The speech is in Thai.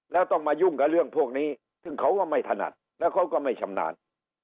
แล้วต้องมายุ่งกับเรื่องพวกนี้ซึ่งเขาก็ไม่ถนัดแล้วเขาก็ไม่ชำนาญ